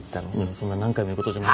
そんな何回も言う事じゃない。